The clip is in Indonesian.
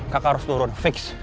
kakak harus turun fix